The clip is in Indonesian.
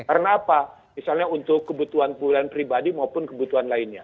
karena apa misalnya untuk kebutuhan puluhan pribadi maupun kebutuhan lainnya